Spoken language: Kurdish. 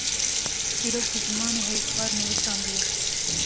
çîrok bi zimanê herikbar nivîsandiye